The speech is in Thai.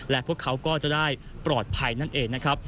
และพวกเขาก็จะได้ปลอดภัยนั่นเองนะครับ